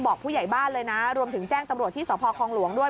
ผู้ใหญ่บ้านเลยนะรวมถึงแจ้งตำรวจที่สพคองหลวงด้วย